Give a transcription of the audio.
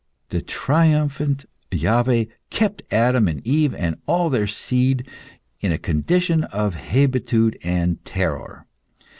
The triumphant Iaveh kept Adam and Eve and all their seed in a condition of hebetude and terror.